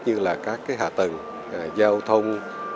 như là các cái hạ tầng giao thông